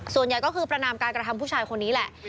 ส่วนใหญ่ก็คือประนามการกระทำผู้ชายคนนี้แหละ